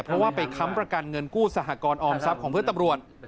เพราะว่าไปค้ำประกันเงินกู้สหกรออมทรัพย์ของเพื่อนตำรวจ